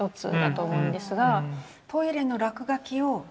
トイレの落書きをじゃ